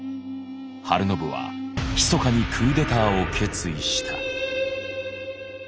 晴信はひそかにクーデターを決意した。